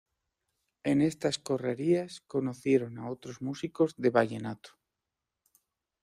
En estas correrías conocieron a otros músicos de vallenato.